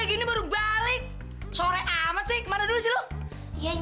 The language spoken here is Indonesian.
dia cuma gak ada tempat kuaran